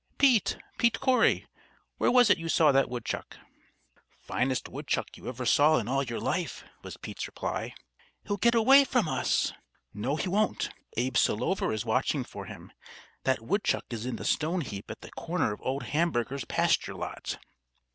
"Pete! Pete Corry! Where was it you saw that woodchuck?" "Finest woodchuck you ever saw in all your life!" was Pete's reply. "He'll get away from us!" "No, he won't. Abe Selover is watching for him. That woodchuck is in the stone heap at the corner of old Hamburger's pasture lot."